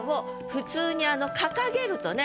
普通に掲げるとね。